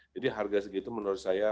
jadi harga segitu menurut saya